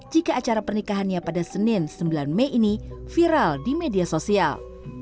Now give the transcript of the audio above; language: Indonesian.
jika acara pernikahannya pada senin sembilan mei ini viral di media sosial